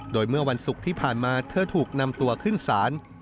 โดยเมื่อวันศุกร์ที่ผ่านมาเธอถูกนำตัวขึ้นศาล